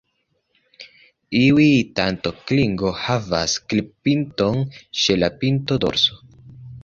Iuj tanto-klingo havas klip-pinton ĉe la pinto-dorso.